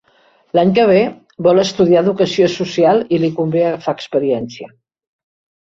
L'any que ve vol estudiar Educació Social i li convé agafar experiència.